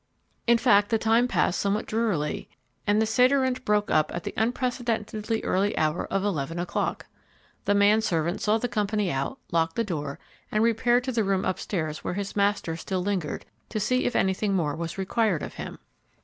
In fact the time passed somewhat drearily, and the sederunt broke up at the unprecedentedly early hour of eleven o'clock. The man servant saw the company out, locked the door, and repaired to the room up stairs where his master still lingered, to see if anything more was required of him.